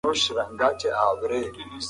دا محدودیت د هغې غږ نه دی چوپ کړی.